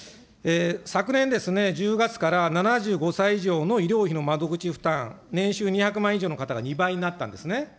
昨年１０月から７５歳以上の医療費の窓口負担、年収２００万以上の方が２倍になったんですね。